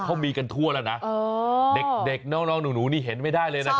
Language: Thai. เขามีกันทั่วแล้วนะเด็กน้องหนูนี่เห็นไม่ได้เลยนะครับ